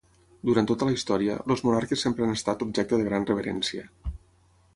Durant tota la història, els monarques sempre han estat objecte de gran reverència.